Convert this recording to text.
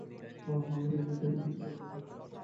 ওহ, আমি নিজে থেকে কিছু করতে চাই।